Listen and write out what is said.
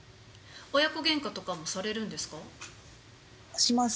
親子げんかとかもされるんでします。